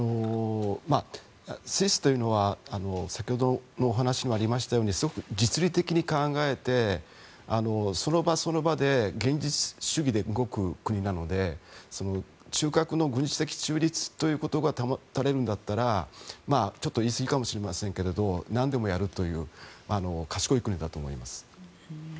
スイスというのは先ほどのお話もありましたように実利的に考えて、その場その場で現実主義で動く国なので中核の軍事的中立ということが保たれるんだったらちょっと言い過ぎかもしれませんけど何でもやるという賢い国だと思います。